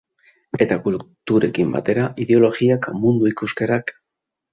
Eta kulturekin batera ideologiak, mundu ikuskerak...